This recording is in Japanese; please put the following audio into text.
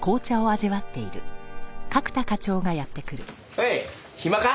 おい暇か？